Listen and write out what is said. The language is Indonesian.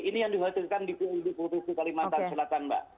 ini yang dihatirkan di kultus kultus di kalimantan selatan mbak